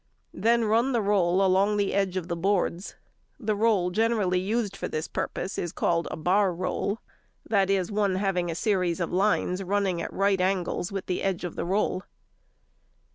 Then run the roll along the edge of the boards: the roll generally used for this purpose is called a bar roll—that is, one having a series of lines running at right angles with the edge of the roll.